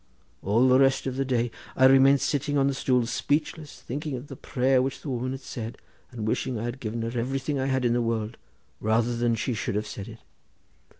All the rest of the day I remained sitting on the stool speechless, thinking of the prayer which the woman had said, and wishing I had given her everything I had in the world, rather than she should have said it.